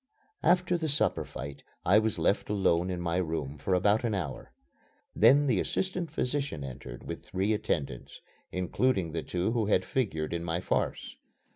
After the supper fight I was left alone in my room for about an hour. Then the assistant physician entered with three attendants, including the two who had figured in my farce.